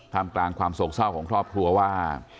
มกลางความโศกเศร้าของครอบครัวว่า